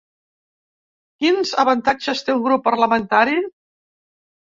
Quins avantatges té un grup parlamentari?